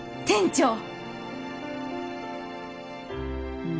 店長！